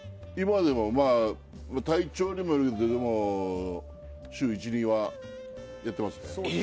今でもまあ、体調にもよるけど、週１、２はやってますね。